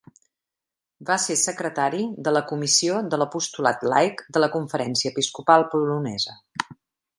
Va ser secretari de la comissió de l'apostolat laic de la Conferència Episcopal Polonesa.